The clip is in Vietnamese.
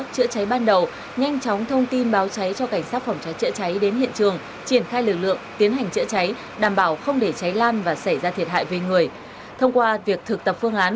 chữa cháy ban đầu nhanh chóng thông tin báo cháy cho cảnh sát phòng cháy chữa cháy đến hiện trường